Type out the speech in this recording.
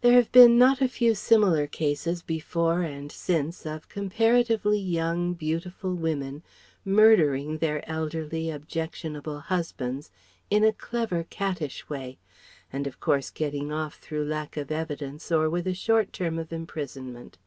There have been not a few similar cases before and since of comparatively young, beautiful women murdering their elderly, objectionable husbands in a clever cattish way, and of course getting off through lack of evidence or with a short term of imprisonment.